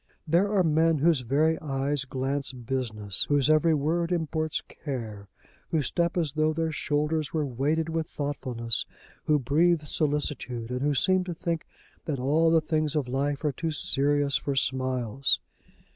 There are men whose very eyes glance business, whose every word imports care, who step as though their shoulders were weighed with thoughtfulness, who breathe solicitude, and who seem to think that all the things of life are too serious for smiles.